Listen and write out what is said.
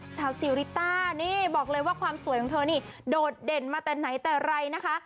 สาวซีริต้านี่บอกเลยว่าความสวยของเธอนี่โดดเด่นมาแต่ไหนแต่ไรนะคะ